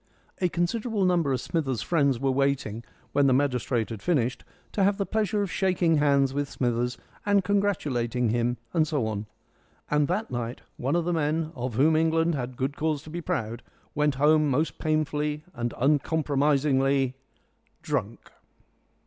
A considerable number of Smithers' friends were waiting, when the magistrate had finished, to have the pleasure of shaking hands with Smithers, and congratulating him, and so on. And that night one of the men of whom England had good cause to be proud went home most painfully and uncompromisingly drunk.